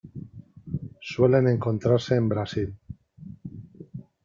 Suelen encontrarse en Brasil.